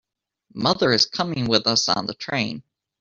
Mother is coming with us on the train.